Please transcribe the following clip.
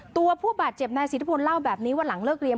ตัวผู้บาดเจ็บนายสิทธิพลเล่าแบบนี้ว่าหลังเลิกเรียน